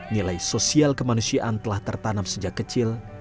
nilai sosial kemanusiaan telah tertanam sejak kecil